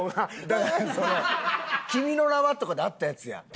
だからその『君の名は。』とかであったやつや。